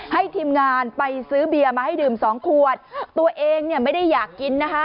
ทีมงานไปซื้อเบียร์มาให้ดื่มสองขวดตัวเองเนี่ยไม่ได้อยากกินนะคะ